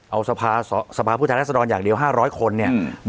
เอาสภาสภาผู้ชายรัฐสดรอย่างเดียวห้าร้อยคนเนี่ยอืม